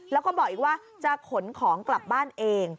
แล้วก็บอกอีกว่าจะขนของกลับบ้านเอง